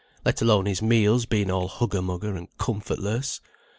Let alone his meals being all hugger mugger and comfortless.